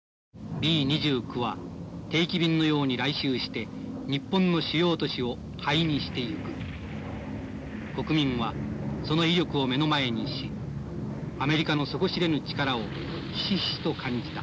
「Ｂ２９は定期便のように来襲して日本の主要都市を灰にしていく」「国民はその威力を目の前にしアメリカの底知れぬ力をひしひしと感じた」